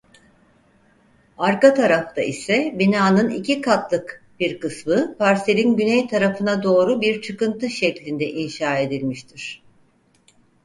Arka tarafta ise binanın iki katlık bir kısmı parselin güney tarafına doğru bir çıkıntı şeklinde inşa edilmiştir.